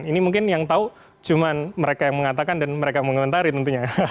ini mungkin yang tahu cuma mereka yang mengatakan dan mereka mengomentari tentunya